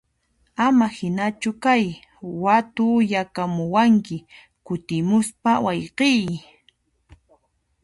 Ama hinachu kay, watuyakamuwanki kutimuspa wayqiy!